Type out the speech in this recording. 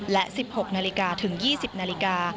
และ๑๖นาฬิกาถึง๒๐นาฬิกา